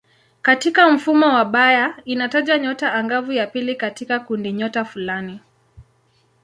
Katika mfumo wa Bayer inataja nyota angavu ya pili katika kundinyota fulani.